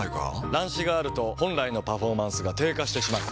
乱視があると本来のパフォーマンスが低下してしまう。